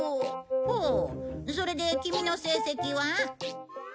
ほうそれでキミの成績は？